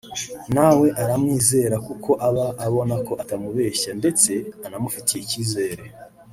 nawe aramwizera kuko aba abona ko atamubeshya ndetse anamufitiye icyizere